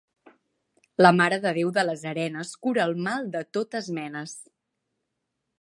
La Mare de Déu de les Arenes cura el mal de totes menes.